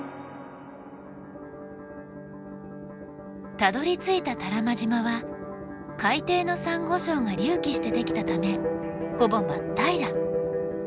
たどりついた多良間島は海底のサンゴ礁が隆起して出来たためほぼ真っ平ら。